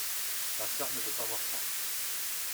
Ma sœur ne veut pas voir ça.